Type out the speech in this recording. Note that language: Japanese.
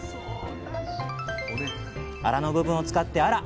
アラの部分を使ってアラ！